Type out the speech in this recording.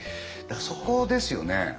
そこですよね。